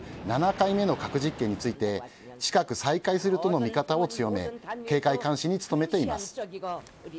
７回目の核実験について近く再開するとの見方を強め警戒監視に努めています。